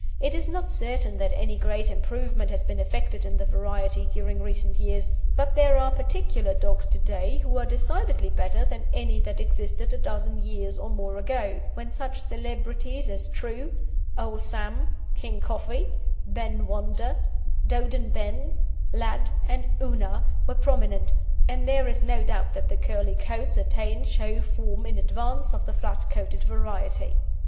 It is not certain that any great improvement has been effected in the variety during recent years, but there are particular dogs to day who are decidedly better than any that existed a dozen years or more ago, when such celebrities as True, Old Sam, King Koffee, Ben Wonder, Doden Ben, Lad and Una, were prominent, and there is no doubt that the curly coats attained show form in advance of the flat coated variety.